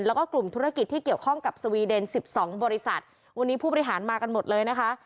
แล้วก็กลุ่มธุรกิจที่เกี่ยวข้องกับสวีเดนสิบสองบริษัทวันนี้ผู้บริหารมากันหมดเลยนะคะ